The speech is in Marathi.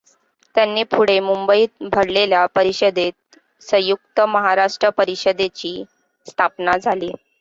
त्यांनी पुढे मुंबईत भरवलेल्या परिषदेत संयुक्त महाराष्ट्र परिषदे ची स्थापना झाली.